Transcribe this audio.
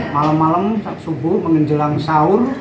malam malam subuh menjelang sahur